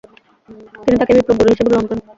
তিনি তাকেই বিপ্লব-গুরু হিসেবে গ্রহণ করেন।